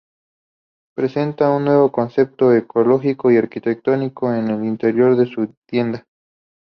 Presenta un nuevo concepto ecológico-arquitectónico en el interior de su tienda.